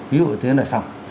ví dụ thế là xong